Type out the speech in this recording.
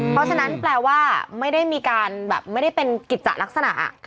เพราะฉะนั้นแปลว่าไม่ได้มีการแบบไม่ได้เป็นกิจจะลักษณะ